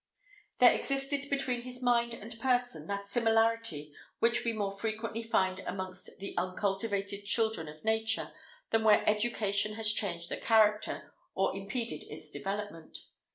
There existed between his mind and person that similarity which we more frequently find amongst the uncultivated children of nature, than where education has changed the character, or impeded its development.